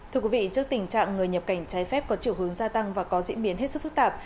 thưa quý vị trước tình trạng người nhập cảnh trái phép có chiều hướng gia tăng và có diễn biến hết sức phức tạp